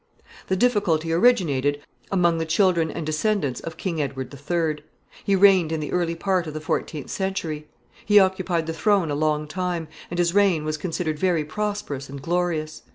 The difficulty originated among the children and descendants of King Edward III. He reigned in the early part of the fourteenth century. He occupied the throne a long time, and his reign was considered very prosperous and glorious.